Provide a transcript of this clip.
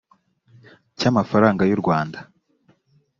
cy amafaranga y u rwanda